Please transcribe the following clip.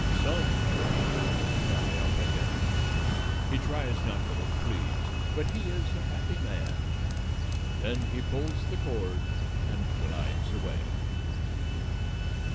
"Some train," we cry up at him; he tries not to look pleased, but he is a happy man. Then he pulls the cord and glides away.